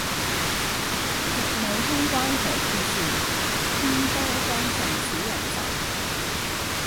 日暮鄉關何處是，煙波江上使人愁。